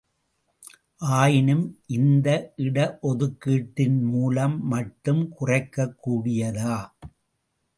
ஆயினும், இந்த இட ஒதுக்கீட்டின் மூலம் மட்டும் குறைக்க கூடியதா?